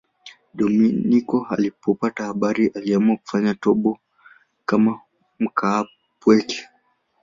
Dominiko alipopata habari aliamua kufanya toba kama mkaapweke.